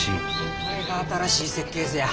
これが新しい設計図や。